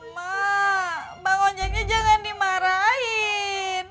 maaaak bang ojaknya jangan dimarahin